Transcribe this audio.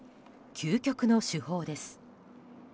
究極の手法です。